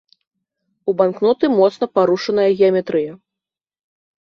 У банкноты моцна парушаная геаметрыя.